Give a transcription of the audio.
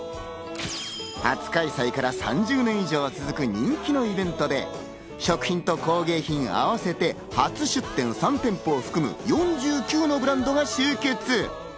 初開催から３０年以上続く人気のイベントで、食品と工芸品、合わせて、初出店３店舗を含む４９のブランドが集結。